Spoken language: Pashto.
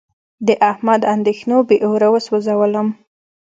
د احمد اندېښنو بې اوره و سوزولم.